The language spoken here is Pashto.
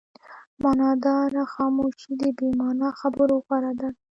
معناداره خاموشي د بې معنا خبرو غوره ده.